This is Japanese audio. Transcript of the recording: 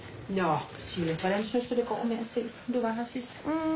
うん。